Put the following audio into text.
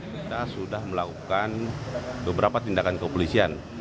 kita sudah melakukan beberapa tindakan kepolisian